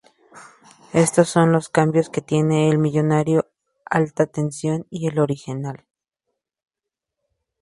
Estos son los cambios que tiene el Millonario Alta Tensión y el original.